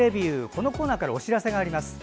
このコーナーからお知らせがあります。